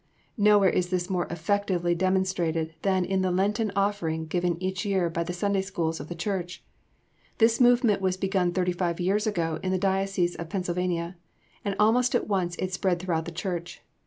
Nowhere is this more effectively demonstrated than in the Lenten offering given each year by the Sunday Schools of the church. This movement was begun thirty five years ago in the diocese of Pennsylvania, and almost at once it spread throughout the church.